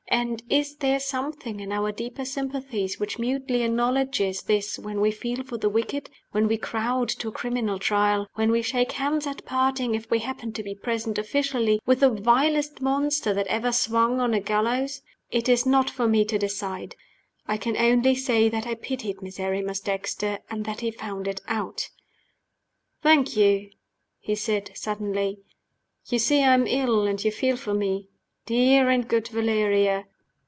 And is there something in our deeper sympathies which mutely acknowledges this when we feel for the wicked; when we crowd to a criminal trial; when we shake hands at parting (if we happen to be present officially) with the vilest monster that ever swung on a gallows? It is not for me to decide. I can only say that I pitied Miserrimus Dexter and that he found it out. "Thank you," he said, suddenly. "You see I am ill, and you feel for me. Dear and good Valeria!"